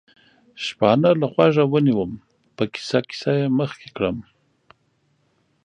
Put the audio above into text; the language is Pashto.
شپانه له غوږه ونیوم، په کیسه کیسه یې مخکې کړم.